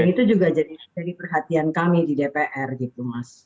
dan itu juga jadi perhatian kami di dpr gitu mas